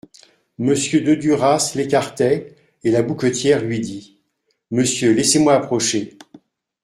Monsieur de Duras l'écartait, et la bouquetière lui dit : «Monsieur, laissez-moi approcher.